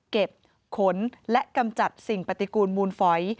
ขนและกำจัดสิ่งปฏิกูลมูลฝอย